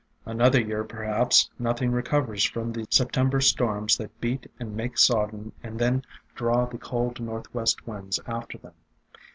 Another year perhaps nothing re covers from the September storms that beat and make sodden and then draw the cold northwest winds after them.